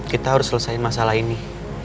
kita harus selesaikan masalah ini